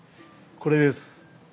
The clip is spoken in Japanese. これです。